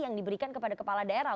yang diberikan kepada kepala daerah